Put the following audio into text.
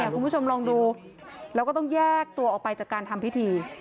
คุณผู้ชมลองดูแล้วก็ต้องแยกตัวออกไปจากการทำพิธี